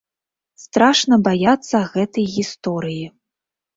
Страшна баяцца гэтай гісторыі.